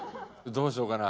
どうしようかな？